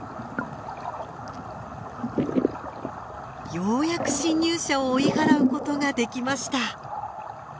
ようやく侵入者を追い払うことができました。